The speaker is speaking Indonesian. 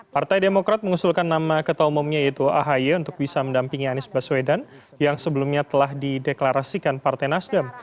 partai demokrat mengusulkan nama ketua umumnya yaitu ahy untuk bisa mendampingi anies baswedan yang sebelumnya telah dideklarasikan partai nasdem